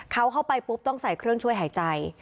เขาเข้าไปปุ๊บต้องใส่เครื่องช่วยหายใจ